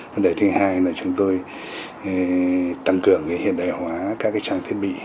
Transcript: vấn đề thứ hai là tăng cường hiện đại hóa các trang thiết bị